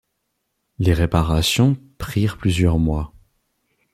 Les réparations prirent plusieurs mois.